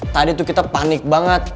tadi tuh kita panik banget